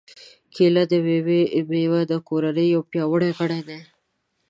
کېله د مېوې د کورنۍ یو پیاوړی غړی دی.